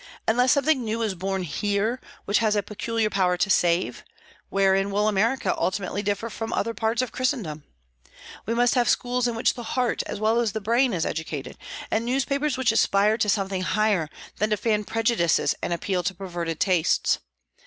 Unless something new is born here which has a peculiar power to save, wherein will America ultimately differ from other parts of Christendom? We must have schools in which the heart as well as the brain is educated, and newspapers which aspire to something higher than to fan prejudices and appeal to perverted tastes.